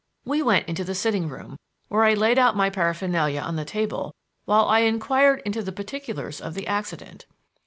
We went into the sitting room, where I laid out my paraphernalia on the table while I inquired into the particulars of the accident.